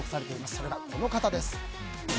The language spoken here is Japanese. それが、この方です。